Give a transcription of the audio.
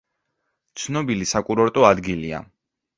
ცნობილი საკურორტო ადგილია.